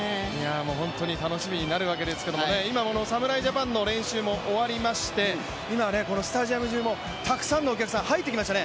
本当に楽しみになるわけですけれども、今、侍ジャパンの練習も終わりまして今、スタジアム中もたくさんのお客さん入ってきましたね。